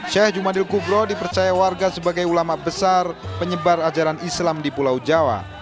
sheikh jumadil kubro dipercaya warga sebagai ulama besar penyebar ajaran islam di pulau jawa